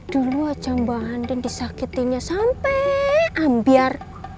dulu aja mbak andin disakitinnya sampai ambiar